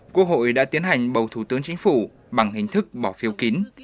quốc hội đã tiến hành bầu thủ tướng chính phủ bằng hình thức bỏ phiếu kín